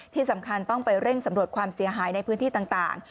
ที่สำคัญต้องไปเร่งสำรวจความเสียหายในพื้นที่ต่าง